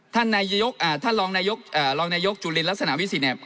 ท่านรองนายกจุลินรักษณะวิสิทธิ์เนี่ย